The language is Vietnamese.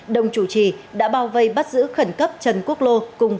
đồng chủ trì đã bao vây bắt giữ khẩn cấp trần quốc lô cùng với vật chứng trên